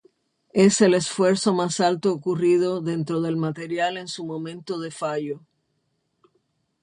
Es el esfuerzo más alto ocurrido dentro del material en su momento de fallo.